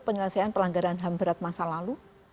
penyelesaian pelanggaran ham berat masa lalu